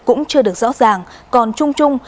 cũng chưa được rõ ràng còn chung chung